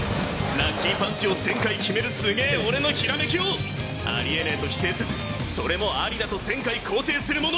ラッキーパンチを１０００回きめるすげぇ俺のひらめきをありえねぇと否定せずそれもありだと１０００回肯定する者。